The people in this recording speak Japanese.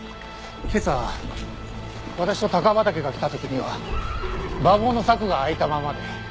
今朝私と高畠が来た時には馬房の柵が開いたままで。